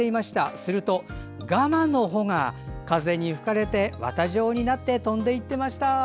すると、ガマの穂が風に吹かれて綿状になって飛んでいっていました。